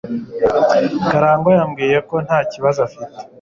karangwa yambwiye ko nta kibazo afite